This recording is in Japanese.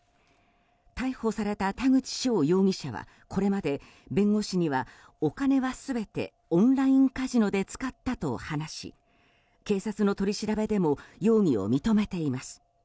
逮捕された田口翔容疑者はこれまで弁護士にはお金は全てオンラインカジノで使ったと話し警察の取り調べでも容疑を認めています。